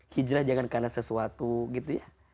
hijrah jangan karena sesuatu gitu ya